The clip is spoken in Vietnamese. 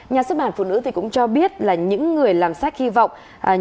nhà xuất bản phụ nữ cũng cho biết là những người làm sách hy vọng